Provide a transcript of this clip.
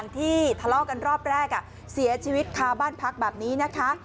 ที่ทะเลาะกันรอบแรกเสียชีวิตคาบ้านพักแบบนี้นะคะ